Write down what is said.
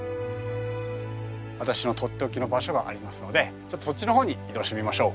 私のとっておきの場所がありますのでちょっとそっちの方に移動してみましょう。